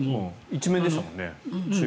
１面でしたよね。